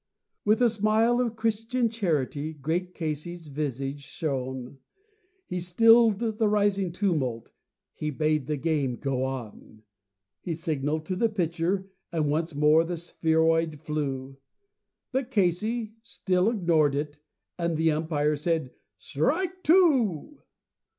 With a smile of Christian charity great Casey's visage shone; He stilled the rising tumult; he bade the game go on; He signaled to Sir Timothy, once more the spheroid flew; But Casey still ignored it, and the umpire said, "Strike two."